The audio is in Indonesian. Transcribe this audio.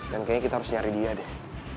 dan kayaknya kita harus nyari dia deh